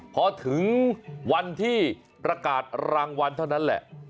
พอถึงวันที่ประกาศรางวัลเท่านั้นแหละ